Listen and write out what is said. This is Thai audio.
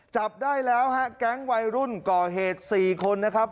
จับได้แล้วฮะแก๊งวัยรุ่นก่อเหตุ๔คนนะครับ